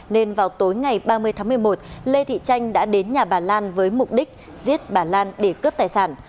nên vào tối ngày ba mươi tháng một mươi một lê thị tranh đã đến nhà bà lan với mục đích giết bà lan để cướp tài sản